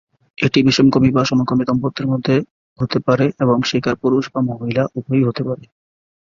এটি বিষমকামী বা সমকামী দম্পতির মধ্যে হতে পারে এবং শিকার পুরুষ বা মহিলা উভয়ই হতে পারে।